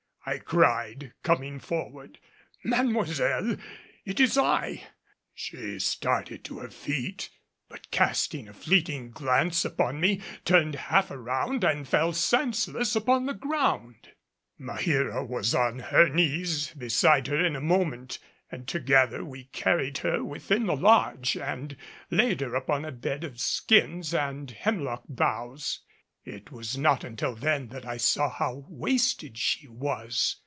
I cried, coming forward, "Mademoiselle, it is I!" She started to her feet; but casting a fleeting glance upon me, turned half around and fell senseless upon the ground. Maheera was on her knees beside her in a moment, and together we carried her within the lodge and laid her upon a bed of skins and hemlock boughs. It was not until then that I saw how wasted she was.